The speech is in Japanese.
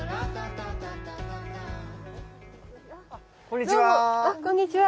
こんにちは。